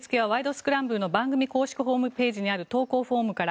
スクランブル」の公式ホームページにある投稿フォームから。